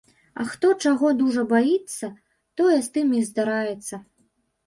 А хто чаго дужа баіцца, тое з тым і здараецца.